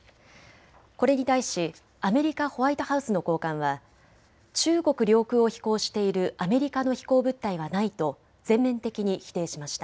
これに対しアメリカ・ホワイトハウスの高官は中国領空を飛行しているアメリカの飛行物体はないと全面的に否定しました。